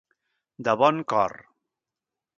De bon cor.